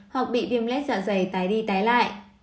hoặc bị viêm lết dạ dày tái đi tái lại